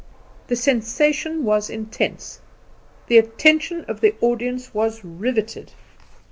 The sensation was intense; the attention of the audience was riveted.